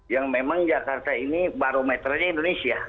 yang memang jakarta ini barometernya indonesia